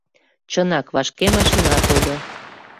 Чынак, вашке машина тольо.